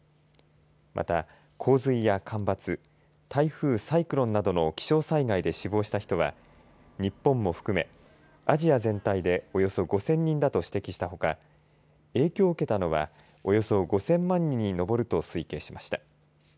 また、洪水や干ばつ台風、サイクロンなどの気象災害で死亡した人は日本も含めアジア全体でおよそ５０００人だと指摘したほか影響を受けたのはおよそ５０００万人に上ると推計しました。